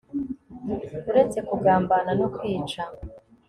uretse kugambana no kwica